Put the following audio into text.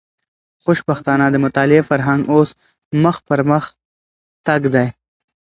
خوشبختانه، د مطالعې فرهنګ اوس مخ پر پرمختګ دی.